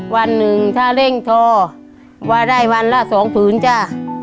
วันหนึ่งถ้าเร่งทอว่าได้วันละสองผืนจ้ะ